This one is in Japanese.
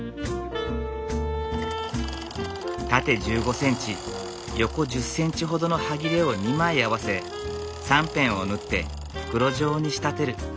縦１５センチ横１０センチほどのはぎれを２枚合わせ３辺を縫って袋状に仕立てる。